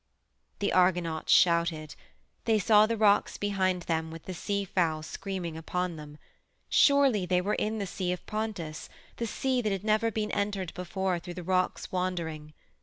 The Argonauts shouted. They saw the rocks behind them with the sea fowl screaming upon them. Surely they were in the Sea of Pontus the sea that had never been entered before through the Rocks Wandering.